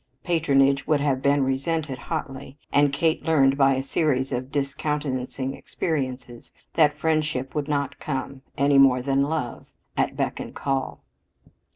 Patronage would have been resented hotly, and Kate learned by a series of discountenancing experiences that friendship would not come any more than love at beck and call.